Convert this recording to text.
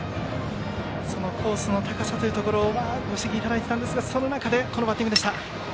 コースの高さというところご指摘いただいていたんですがその中で、このバッティング。